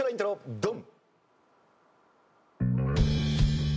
ドン！